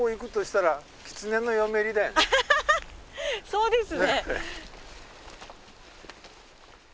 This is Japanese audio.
そうですね。